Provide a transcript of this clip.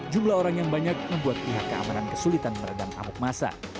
jumlah orang yang banyak membuat pihak keamanan kesulitan meredam amuk masa